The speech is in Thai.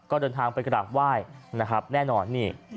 ก็เดินทางไปกระดาษไหว้แน่นอนนี่